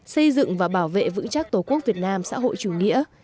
xây dựng và bảo vệ vững chắc tổ quốc việt nam xã hội chủ nghĩa